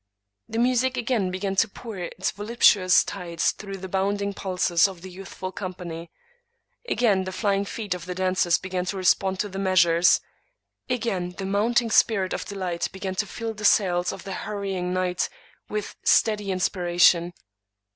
The music again began to pour its voluptuous tides through the bound ing pulses of the youthful company; again the flying feet of the dancers began to respond to the measures; again the mounting spirit of delight began to fill the sails of the hurrying night with steady inspiration.